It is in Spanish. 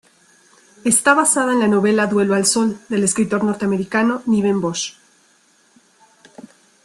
Está basada en la novela "Duelo al sol" del escritor norteamericano Niven Busch.